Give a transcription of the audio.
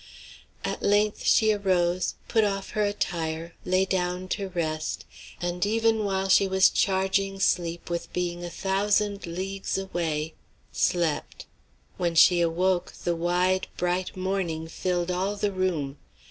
At length she arose, put off her attire, lay down to rest, and, even while she was charging sleep with being a thousand leagues away slept. When she awoke, the wide, bright morning filled all the room.